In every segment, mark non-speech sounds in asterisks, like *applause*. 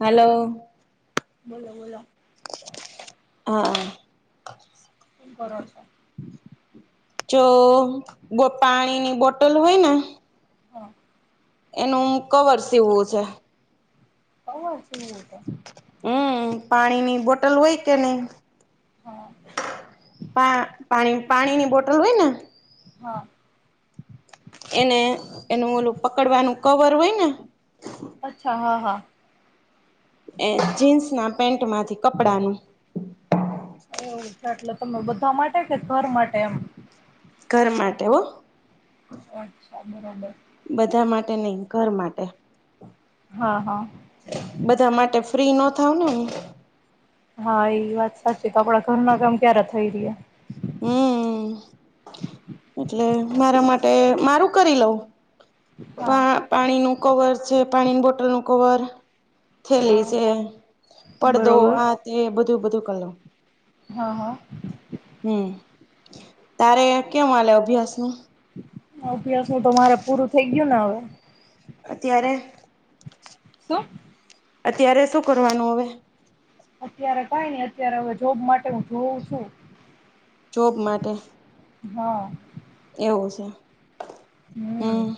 હાલો.. બોલો બોલો હા. *inaudible* હુ કરો છો? ચો પાણી ની બોટ તલ હોય ને હા. એનું કવર સીવવું છે. સવાર સુવું છે હમ પાણીની બોટ તલ હોય કે નહી હા પા પાણી પાણી ની બોટલ હોય ને હા. એને એનું ઓલું પકડવાનું કવર હોય ને. અચ્છા હા હા એ જીન્સ ના પેન્ટ માંથી કપડાનું એવું આટલ તમે બધા માટે કે ઘર માટે એમ. ઘર માટે હો. ઓન્ચ. તમ રાબ *unintelligible* બધા માટે નહીં ઘર માટે. હા હા. બધા માટે ફ્રી નત થાઉ ને હુ. હા એ વાત સાચી. તમારા ઘરના કામ ક્યારે થઈ રહ્યા. હમ એટલે મારા માટે મારું કરી લઉં. હા પા પાણી નું કવર છે. પાણીની બોટલનુ કવર થેલી હા છે. પડદો બરોબર આ તે બધું બધું. કલ. હા, હા. હમ્મ તારે કેમ મળ અભ્યાસ નું. અભ્યાસ નું તો મારે પૂરું થઈ ગયું ને હવે. અત્યારે શું. અત્યારે શું કરવાનું હવે. અત્યારે કઈ નઈ અત્યારે હવે જોબ માટે હું જોઉં છું. જોબ માટે હા. એવું છે. હમ હમ્મ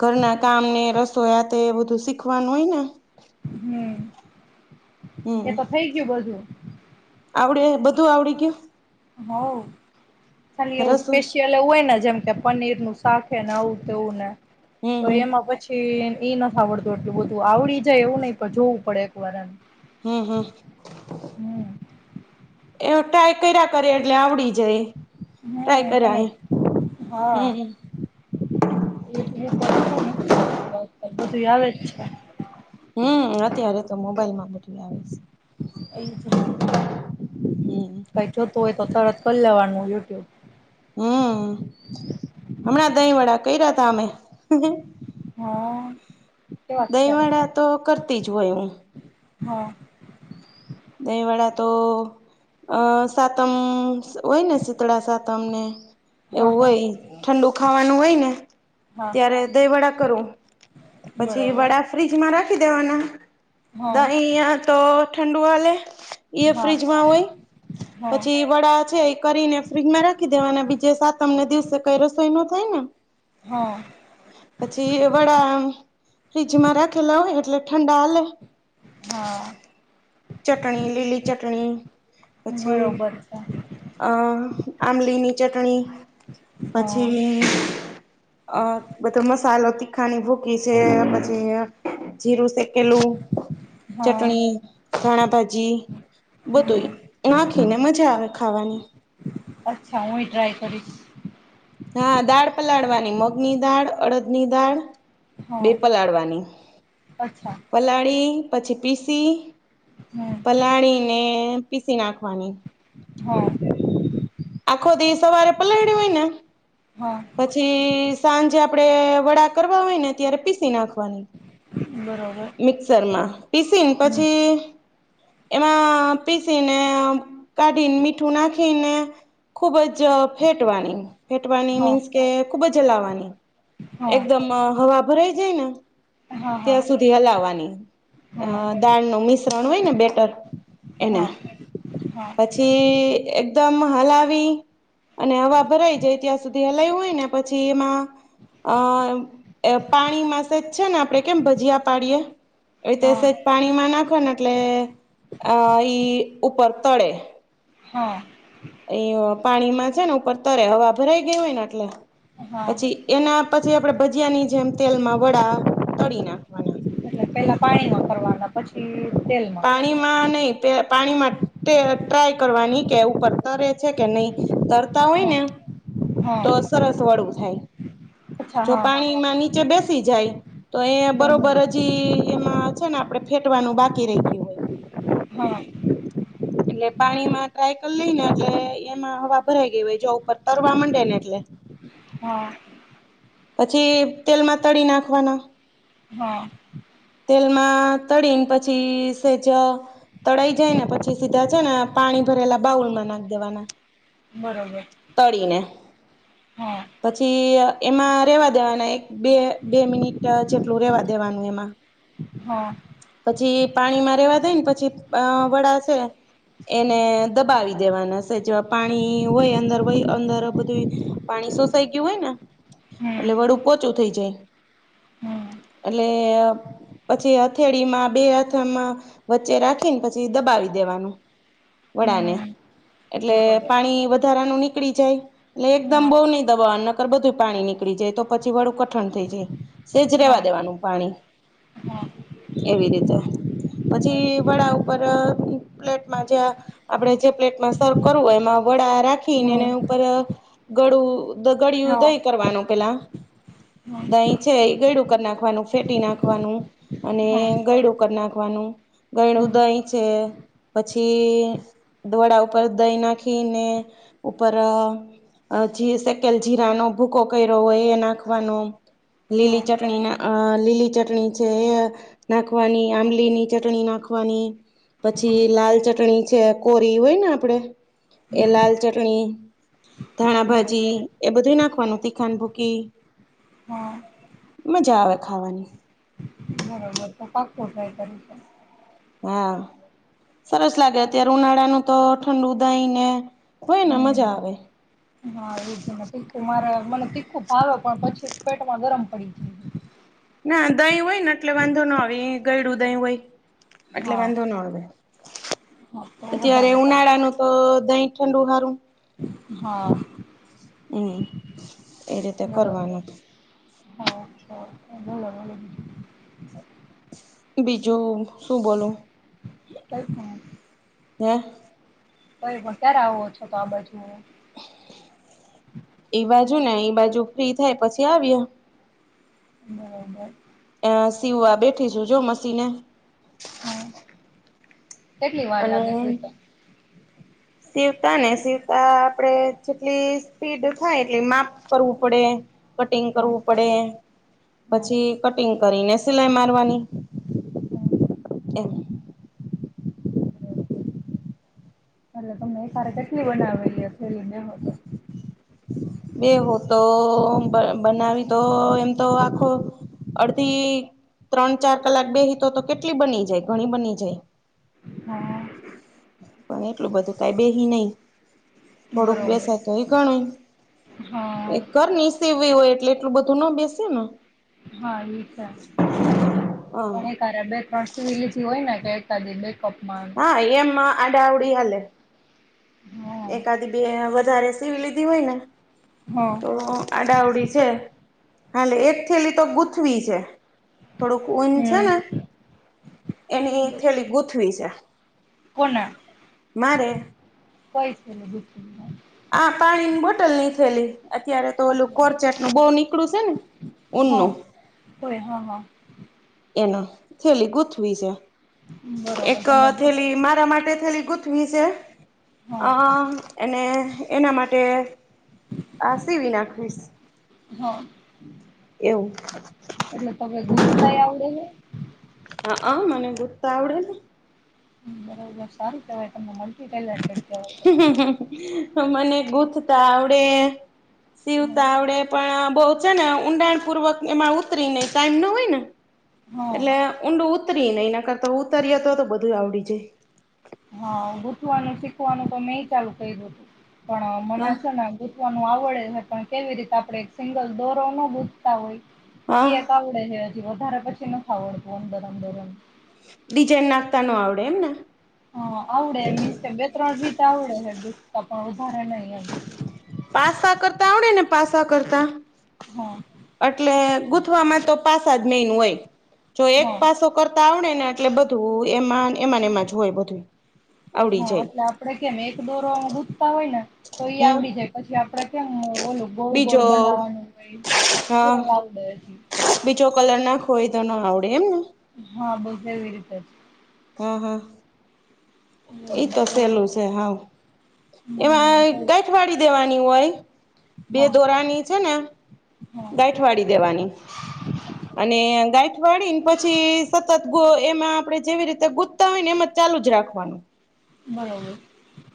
ઘરના કામને રસોયા તે એ બધું શીખવાનું હોય ને. હમ્મ. એ હમ તો થઈ ગયું બદુ. આવડે હે બધું આવડી ગયું હ ખાલી એવું રસોઈ સ્પેશિયલ એવું હોય ને જેમ કે પનીર નું શાકને આવું તેવું ને હમ તો હમ એમાં પછી એઈ નથી આવડતું એટલું બધું આવડી જાય એવું નહી પણ જોવું પડે એક વારમ હમ, હમ એ ટ્રાય કર્યા કરે એટલે આવડી જાય ટ્રાય હમ એમજ કર્યા હા હમ એ બ પરફોમત નથી આપ્યું અ બધું આવે છે હમ અત્યારે તો મોબાઈલમાં બધું આવે છે એ જ ના હમ ભાઈ જોતું હોય તો તરત કરી લેવાનું યુટ્યુબ હમ હમણાં દહી વડા કર રહ્યા હતા અમે હા કેવા અત્યારે દહીવાડા તો કરતી જ હોય હું હા દહીવાડા તો અ સાતમ હોય ને શીતળા સાતમને હા એવું હા હોય ઠંડુ ખાવાનું હોય ને હા ત્યારે દહી વડા કરું પછી બરોબર વડા ફ્રીજમાં રાખી દેવાના હા દહી તો ટઅલે. એ હા ફ્રીજમાં હોય હા પછી વડા છે એ કરીને ફ્રીજમાં રાખી દેવાના બીજે સાતમને દિવસે કઈ રસોઈ ન થાય ને હા પછી વડા ફ્રીજમાં રાખેલા હોય એટલે ઠંડા હાલે હા ચટણી લીલી ચટણી પછી બરોબર છે અ આંમલીની ચટણી. *inaudible* હા પછી અ બધો મસાલો તીખાની ભૂકી છે પછી જીરું શેકેલું હા ચટણી ધાણા ભાજી હમ બધુંય નાખીને મજા આવે ખાવાની. અચ્છા હું એ ટ્રાય કરીશ. હા દાળ પલાળવાની મગ ની દાળ અડદની દાળ. બે હા પલાળવાની અચ્છા પલાળી. પછી પીસી. હમ પલાળી ને. પીસી નાંખવાની. હા આખો દી સવારે પલા. હોયને. હા પછી સાંજે. આપડે વડા કરવા હોય ને ત્યારે પીસી નાંખવાની. બરોબર મિક્સર માં પીસીને હમ પછી. એમાં પીસી ને કાઢીને મીઠું નાખીને ખુબ જ. જ ફેટવાની ફેટવાની હા મીન્સ કે. ખૂબ જ હલાવવાની. હા એકદમ હવા ભરાય. જયના. હા હા. સુધી હલાવવાની હા દાળ નું મિશ્રણ હોય ને બેટર એન હા હા પછી. એકદમ હલાવી અને હવા ભરાઈ જાય ત્યાં સુધી હલાયું હોય ને પછી એમાં અ પાણી માસે જ છે ને આપડે કેમ ભજીયા. ડીએ એવી રીતે હા સેજ પાણીમાં નાખવાના એટલે અ ઈ. ઉપર તળે હા. એ. પાણીમાં છે ને ઉપર તરે હવા ભરાઈ ગઈ હોય ને એટલે. હા પછી એના. પછી આપડે ભજીયાની જેમ તેલમાં વડા. તળી નાખવાના એટલે પેલા પાણી ન. કરવાના પછી. તેલમાં પાણીમાં નહી પે પાણીમાં તે. ટ્રાય કરવાની કે એવું કરતા રેત છે કે નહી તરતા હોય હા ને હા તો સરસ વળું થાય અચ્છા જો હા પાણીમાં નીચે બેસ *unintelligible* જાય તો એ બરોબર જી એમાં છે ને આપડે ફેટવાનું બાક કિરેતી હોય હા. એટલે પાણીમાં ટ્રાય કર લઈ ને એટલે એમાં હવા ભરાઈ ગઈ હોય જો ઉપર તરવા માંડે ને એટલે હા. પછી તેલમાં તળી નાખવાના હા. તેલમાં તળીને પછી સેજ તળાઈ જાય ને પછી સીધા છે ને પાણી ભરેલા બાઉલમાં નાખી દેવાના. બરોબર તળીને હા પછી એમાં રહેવા દેવાના એક બે બે મિનિટ જેટલું રહેવા દ દેવાનું એમાં હા. પછી પાણીમાં રેવા દઈન પછી અ વડા છે એને દબાવી દેવાના છે જ પાણી હોય અંદરય અંદર બધું પાણી સોસાઈ ગયું હોય ને એટલે વડું પોચું થઇ જાય. *unintelligible* હા. એટલે પછી હથેળીમાં બે હાથમાં વચ્ચે રાખીને પછી દબાવી દેવાનું. વડાને હમ એટલે બરોબર પાણી વધારાનું ની પકડી જાય એટલે એકદમ હા બો ની દબવાના ર બધું પાણી નીકળી જાય તો પછી વળું કઠણ થઈ જાય. એજ હા રેવાત નુ પાણી હા એવી રીતે પછી અચ્છા. વડા ઉપર પ્લેટમાં જે આપણેે જે પ્લેટમાં સર્વ કરવું એમાં વડા રાખીને એને ઉપર ગડું ગળિયું હા દહીં કરવાનું પેલા દહીં છે એ ગયડું કરી નાખ છેટી નાખવાનું અને ગયડું નાખવાનું ગણું દહીં છે પછી દોડા ઉપર દહીં નાખીને ઉપર અ અ જી શેકેલ જીરાનો ભૂકો કર્યો હોય એ નાખવાનો લીલી ચટણી ના અ લીલી ચટણી છે એ નાખવાની આંબલી ની ચટણી નાખવાની પછી લાલ ચટણી છે કોરી હોય ને આપડે એ લાલ ચટણી ધણાભાજી એ બધુંય નાખવાનું તીખાન ભૂકી- હા. મજા આવે. ખાવાની. બરાબ તો *unintelligible* કરે છે. હા સરસ લાગે અત્યારે ઉનાળાનું તો ઠંડ દહીંને. કોઈને મજા આવે. હમ હા એજ ને તીખું મારે મને તીખું ભાવે પણ પછી પેટમાં ગરમ પડી જાય. ના દહીં હોય ને એટલે વાંધો ન આવે એ ગયડું દહીં હોય. એટલે હા વાંધો ન આવે હા તો અત્યારે વધારે સારું ઉનાળાનું તો દહીં ઠંડુ હારું. હા. હમ્મ એ રીતે કરવાનું. હ. હ બોલો બોલો બીજું. બીજું શું બોલુ. કંઈ પણ. ને તોઈ પણ ક્યારે આવો છો? તો આ બાજુ. ઈ બાજુ ને ઈ બાજુ ફ્રી થાય પછી આવીયે. બરોબર. એ સીવવા બેઠી છું. જો મશીને. હા કેટલી વાર અને લાગે છે *unintelligible* સીવતા ને સીવતા આપડે જેટલી સ્પીડ થાય એટલી માપ કરવું પડે કટિંગ હા કરવું પડે હા પછી કટિંગ કરીને સિલાઈ મારવાની હમ્મ એમ બરોબર એટલે તમને એક સાથે કેટલી બનાવેલી. *unintelligible* બેહો તો બા બનાવી તો એમ તો આખો અડધી ત્રણ ચાર કલાક બેહી તો તો કેટલી બની જાય ઘણી બની જાય હા પણ એટલું બધું કઈ બેહી નહી થોડુંક બરોબર બેસાય તો એ ગણાય હા એ ઘર ની સીવવી હોય એટલે એટલું બધું ના બેસે ને હા, એ છે, હ પણ એ કારે બે, ત્રણ સીવી લીધી હોય ને એ *inaudible* હા એમમાં આડાવડી હાલે હા એકાદી બે વધારે સીવી લીધી હોય ને હા તો આડાઅવડી છે હાલે એક થેલી તો ગુથવી છે થોડુંક ઊન છે, હમ ને એની એક થેલી ગુથવી છે, મારે. કઈછ. આ પાણીની બોટલ ની થેલી. અત્યારે તો ઓેલું કોરચેટ નું બહ નીકળું છે ને હા ઊનું. કોઈ હા હા ન થેલી ગુથ. બરોબર એક તમને ગુથ થેલી મારા માટે થેલી ગોઠવી છે. અ હા અને એના માટે આસીવી નાખવીશ. હા એવું. એટલે તમે ગૂથતાય આવડે છે? હા હ મને ગુઠતા આવડે ને. બરોબર સારું કેવાય તમે મને ગૂથતા આવડે હા શીવતા આવડે પણ બહુ છે ને ઊંડાણ પૂર્વક એમાં ઉતરી ને ટાઈમ ના હોય ને. હા એટલે ઊંડું ઉતરી ને એના કરતા ઉતરીએ તો તો બધું આવડી જાય. હા ગુતવાનું શીખવાનું તો મેં ચાલુ કર્યું હતું. પણ મના હા. છે ને નું આવડે છે પણ કેવી રીતે આપણે સિંગલ દોરો ન ગુથતા હોય હા એ એક આવડે છે. *unintelligible* વધારે પછી ન ખઆવડત અંદરમંદરમ. ડિઝાઇન નાખતા ન આવડે એમને. હા આવડે એમી બે ત્રણ રીતે આવડે હ ગુથતા પણ વધારે નહી એમ. પાસા કરતા આવડે ને પાસા કરતા. હા અટલે ગુત વામાં તો પાસા જ મેન હોય. જો એક હા પાસો કરતા આવડે એટલે બધું એમાં એમાંને એમાં જ હોય બધું. આવડી હા જાય એટલે આપડે કેમ એક દોરો ગુધતા હોય ને તો એઈ હમ આવડી જાય પછી આપડે કેમ ઓલું ગોળ બીજો ગોળ બનાવવાનું કઈ હા આવડે હજી. કોઈ તો ન આવડે એમને. હા બોધ એવી રીતે જ. હા હા! જ એઈ એવું તો એવું સહેલું નથી છે હાવ. હમ એમાં જોયું ગઠવાડી દેવાની હોય. બે હા દોરાની છે ને હા ગાંઠવાળી દેવાની. અચ્છા અને ગાંઠવાળીને પછી સતત ગો એમાં આપણે જેવી રીતે ગુતા હોય ને, એમ જ ચાલુ જ રાખો. *unintelligible* બરાબર.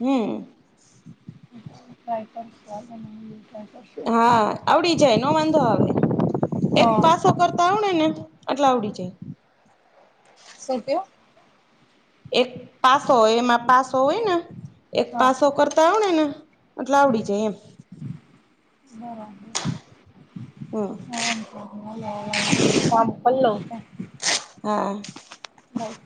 હમ! *inaudible* ફ્રાય કર સ્વાદ બને. હા, આવડી જાય. નો વાંધો આવે. એક હા પાસો કરતા આવડ ને. આટલા આવડી જાય. શું કેવ? એક પાસો હોય. એમાં પાસો હોય ને. એક હા પાસો કરતા આવડે ને. *unintelligible* આવડી હમ જાય એમ. હમ *unintelligible* *inaudible* હા! બાય